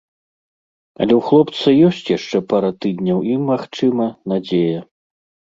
Але ў хлопца ёсць яшчэ пара тыдняў і, магчыма, надзея.